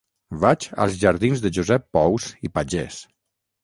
Vaig als jardins de Josep Pous i Pagès.